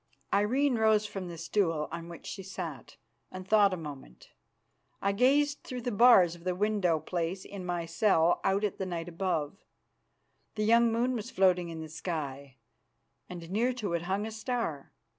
Irene rose from the stool on which she sat and thought a moment. I gazed through the bars of the window place in my cell out at the night above. A young moon was floating in the sky, and near to it hung a star.